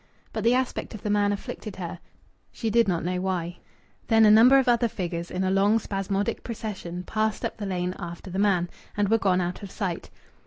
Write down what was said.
But the aspect of the man afflicted her, she did not know why. Then a number of other figures, in a long spasmodic procession, passed up the lane after the man, and were gone out of sight.